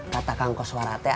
katakan koswara teh